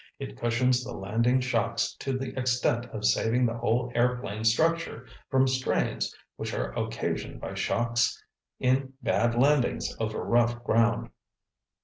It cushions the landing shocks to the extent of saving the whole airplane structure from strains which are occasioned by shocks in bad landings over rough ground!"